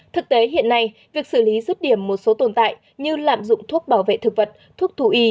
thực tế hiện nay việc xử lý rứt điểm một số tồn tại như lạm dụng thuốc bảo vệ thực vật thuốc thú y